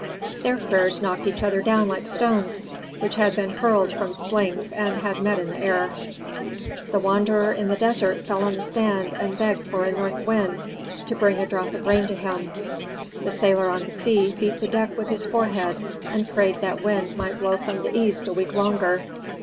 Their prayers knocked each other down like stones which had been hurled from slings and had met in the air. The wanderer in the desert fell on the sand and begged for a north wind, to bring a drop of rain to him, the sailor on the sea beat the deck with his forehead and prayed that wind might blow from the east a week longer.